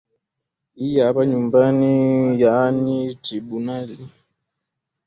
i ya hapa nyumbani yaani tribunal